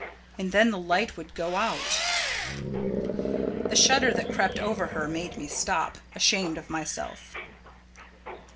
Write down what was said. And then the light would go out " The shudder that crept over her made me stop, ashamed of myself.